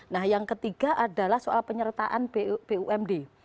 nah yang ketiga adalah soal penyertaan bumd